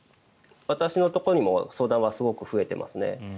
私のところにも相談はすごく増えていますね。